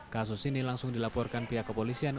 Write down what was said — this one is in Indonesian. kasus ini langsung dilaporkan pihak kepolisian